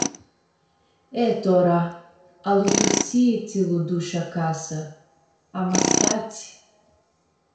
E tora, alutusii tsi lu-dush acasã, ama s-featsi.